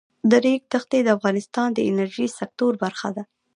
د ریګ دښتې د افغانستان د انرژۍ سکتور برخه ده.